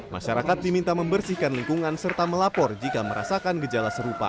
masyarakat diminta membersihkan lingkungan serta melapor jika merasakan gejala serupa